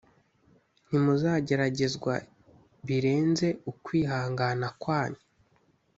Ntimuzageragezwa birenze ukwihangana kwanyu